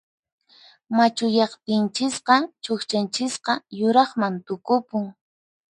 Machuyaqtinchisqa chuqchanchisqa yuraqman tukupun.